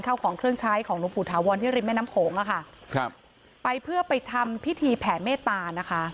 เข้าของเครื่องใช้ของหลวงปู่ถาวรที่ริมแม่น้ำโขงอะค่ะครับไปเพื่อไปทำพิธีแผ่เมตตานะคะ